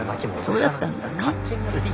そうだったんだね。